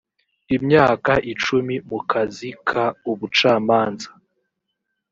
imyaka icumi mu kazi k ubucamanza